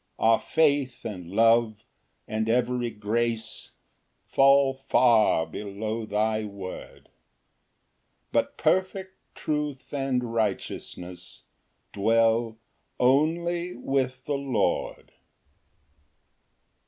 6 Our faith and love, and every grace, Fall far below thy word; But perfect truth and righteousness Dwell only with the Lord.